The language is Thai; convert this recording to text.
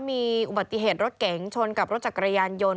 มีอุบัติเหตุรถเก๋งชนกับรถจักรยานยนต์